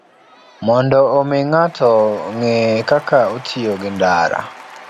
Mondo omi ng'ato ong'e kaka otiyo gi ndara,